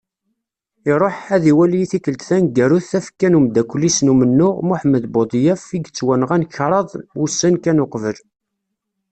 Iṛuḥ, ad iwali i tikkelt taneggarut tafekka n umeddakkel-is n umennuɣ Muḥemmed Buḍyaf i yettwanɣan kraḍ wussan kan uqbel.